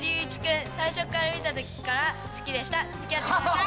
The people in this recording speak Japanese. つきあってください。